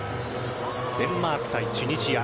デンマーク対チュニジア